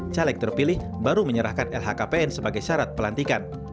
caleg terpilih baru menyerahkan lhkpn sebagai syarat pelantikan